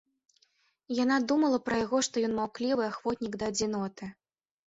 Яна думала пра яго, што ён маўклівы ахвотнік да адзіноты.